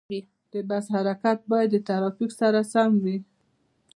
د بس حرکت باید د ترافیک سره سم وي.